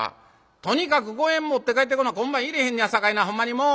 とにかく五円持って帰ってこな今晩入れへんのやさかいなほんまにもう！